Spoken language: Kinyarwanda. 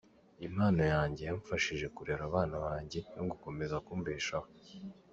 Impano yanjye yamfashije kurera abana banjye no gukomeza kumbeshaho.